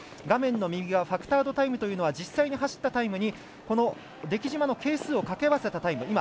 画面の右側ファクタードタイムというのは実際に走ったタイムに出来島の係数をかけ合わせたタイム。